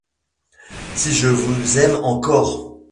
Si je vous aime encor !